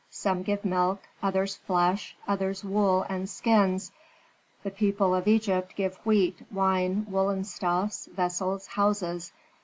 Some give milk, others flesh, others wool and skins. The people of Egypt give wheat, wine, woollen stuffs, vessels, houses.